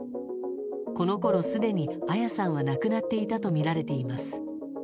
このころすでに彩さんは亡くなっていたとみられています。